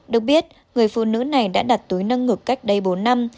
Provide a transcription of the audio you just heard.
được biết người phụ nữ này đã đặt túi nâng ngực cách đây bốn năm